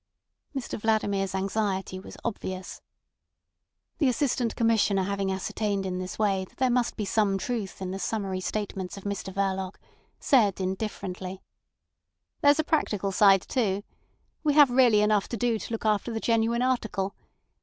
Mr Vladimir's anxiety was obvious. The Assistant Commissioner having ascertained in this way that there must be some truth in the summary statements of Mr Verloc, said indifferently: "There's a practical side too. We have really enough to do to look after the genuine article.